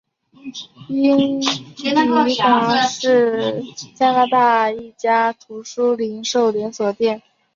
英迪戈是加拿大一家图书零售连锁店。